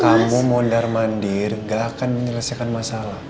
kamu mondar mandir gak akan menyelesaikan masalah